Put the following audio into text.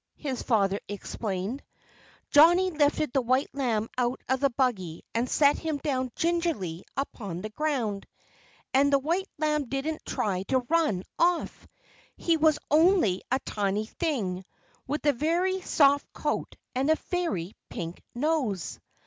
his father explained. Johnnie lifted the white lamb out of the buggy and set him down gingerly upon the ground. And the white lamb didn't try to run off. He was only a tiny thing, with a very soft coat and a very pink nose.